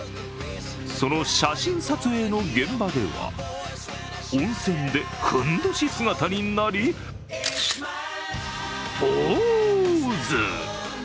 その写真撮影の現場では、温泉でふんどし姿になりポーズ！